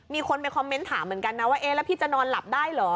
มีคนไปคอมเม้นต์ถามเหมือนกันว่าพี่จะนอนหลับได้หรือ